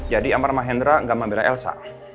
jadi amar mahendra gak membela elsa